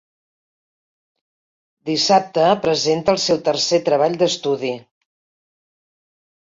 Dissabte presenta el seu tercer treball d'estudi.